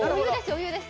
余裕です